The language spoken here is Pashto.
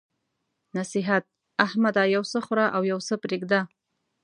نصيحت: احمده! یو څه خوره او يو څه پرېږده.